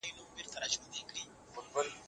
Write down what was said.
علماء څنګه د نکاح پوهاوی عاموي؟